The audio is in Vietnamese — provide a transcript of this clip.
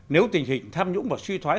nếu tình hình tham dũng và suy thoái